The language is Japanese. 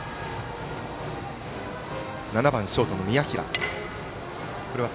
７番ショートの宮平。